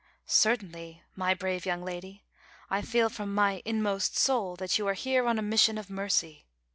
"■ Certainly, my brave young lady, I feel from my inmost soul that you are here on a mission of mercy.